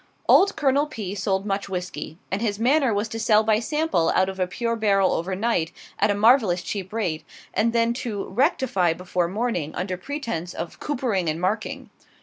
Old Colonel P. sold much whisky; and his manner was to sell by sample out of a pure barrel over night, at a marvelous cheap rate, and then to "rectify" before morning, under pretence of coopering and marking.